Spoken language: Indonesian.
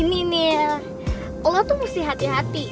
ini nih allah tuh mesti hati hati